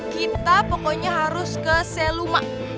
kita pokoknya harus ke seluma